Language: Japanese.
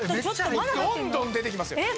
どんどん出てきますよ。